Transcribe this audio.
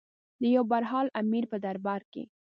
د یو برحال امیر په دربار کې.